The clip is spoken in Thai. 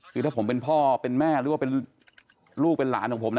คือถ้าผมเป็นพ่อเป็นแม่หรือว่าเป็นลูกเป็นหลานของผมนะ